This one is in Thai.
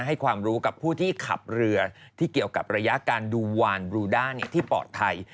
ให้ความรู้กับผู้ที่ขับเรือที่เกี่ยวกับระยะการดูวานบรูด้าที่ปลอดภัย